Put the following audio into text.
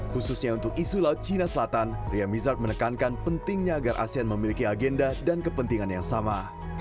khususnya untuk isu laut cina selatan ria mizard menekankan pentingnya agar asean memiliki agenda dan kepentingan yang sama